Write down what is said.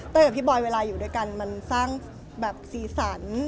กับพี่บอยเวลาอยู่ด้วยกันมันสร้างแบบสีสัน